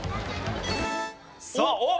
さあおっ！